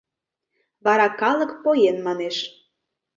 Вара «калык поен» манеш...